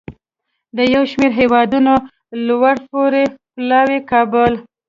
د یو شمیر هیوادونو لوړپوړو پلاوو کابل